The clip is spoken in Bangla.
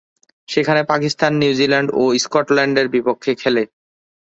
সেখানে পাকিস্তান, নিউজিল্যান্ড ও স্কটল্যান্ডের বিপক্ষে খেলে।